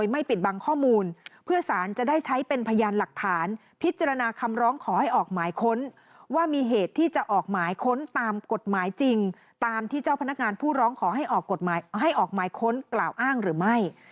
ไม่ปิดบังข้อมูลเพื่อสารจะได้ใช้เป็นพยานหลักฐานพิจารณาคำร้องขอให้ออกหมายค้นว่ามีเหตุที่จะออกหมายค้นตามกฎหมายจริงตามที่เจ้าพนักงานผู้ร้องขอให้ออกกฎหมายให้ออกหมายค้นกล่าวอ้างหรือไม่